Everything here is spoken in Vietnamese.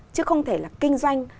chứ không thể là kinh doanh